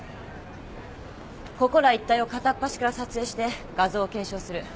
ここら一帯を片っ端から撮影して画像を検証する。